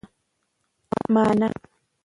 مانا